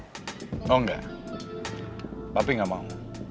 oh enggak papi gak mau